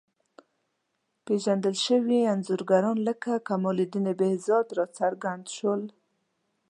پېژندل شوي انځورګران لکه کمال الدین بهزاد راڅرګند شول.